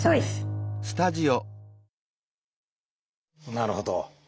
なるほど。